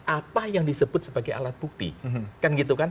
apa yang disebut sebagai alat bukti